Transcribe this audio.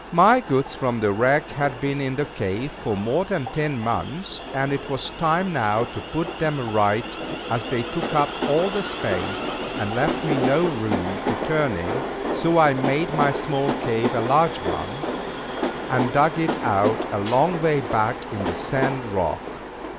My goods from the wreck had been in the cave for more than ten months; and it was time now to put them right, as they took up all the space, and left me no room to turn in: so I made my small cave a large one, and dug it out a long way back in the sand rock.